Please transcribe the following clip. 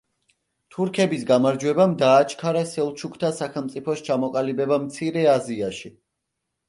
თურქების გამარჯვებამ დააჩქარა სელჩუკთა სახელმწიფოს ჩამოყალიბება მცირე აზიაში.